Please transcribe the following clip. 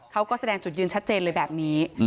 เขาก็แสดงจุดยืนชัดเจนเลยแบบนี้